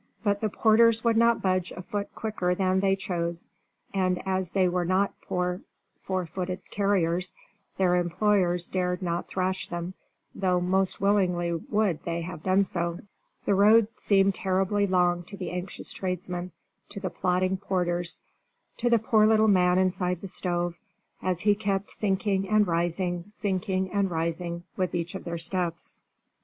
But the porters would not budge a foot quicker than they chose, and as they were not poor four footed carriers their employers dared not thrash them, though most willingly would they have done so. The road seemed terribly long to the anxious tradesmen, to the plodding porters, to the poor little man inside the stove, as he kept sinking and rising, sinking and rising, with each of their steps.